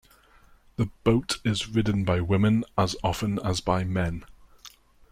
The boat is ridden by women as often as by men.